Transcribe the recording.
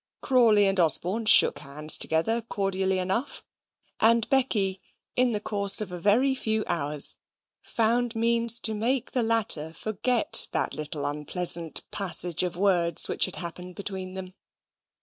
Crawley and Osborne shook hands together cordially enough: and Becky, in the course of a very few hours, found means to make the latter forget that little unpleasant passage of words which had happened between them.